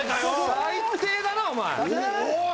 最低だなお前おい！